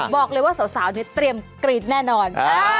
บอกเลยว่าสาวเนี่ยเตรียมกรี๊ดแน่นอน